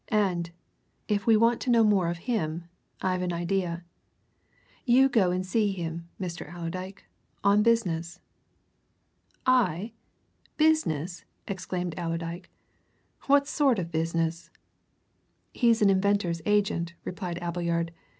And if we want to know more of him I've an idea. You go and see him, Mr. Allerdyke on business." "I? Business?" exclaimed Allerdyke. "What sort of business?" "He's an inventor's agent," replied Appleyard.